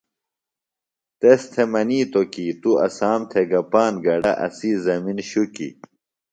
تس تھےۡ منِیتوۡ کی تُوۡ اسام تھےۡ گہ پاند گڈہ، اسی زمن شُکیۡ۔